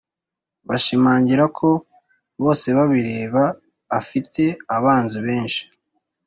bashimangira ko bosebabireba afite abanzi benshi